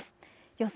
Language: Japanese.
予想